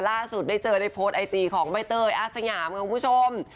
ล่าสุดได้เจอได้โพสต์ไอจีของใบเตยอาสยามค่ะคุณผู้ชม